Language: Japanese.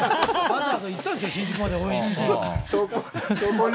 わざわざ行ったんですよ、新宿まで、応援しに。